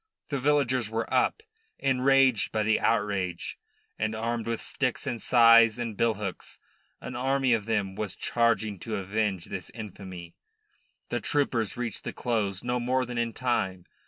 The villagers were up, enraged by the outrage, and armed with sticks and scythes and bill hooks, an army of them was charging to avenge this infamy. The troopers reached the close no more than in time.